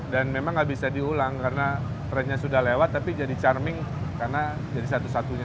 dan memang nggak bisa diulang karena trennya sudah lewat tapi jadi charming karena jadi satu satunya